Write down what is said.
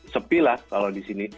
sepi lah kalau di sini